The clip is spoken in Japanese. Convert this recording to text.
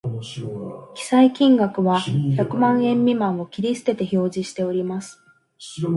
記載金額は百万円未満を切り捨てて表示しております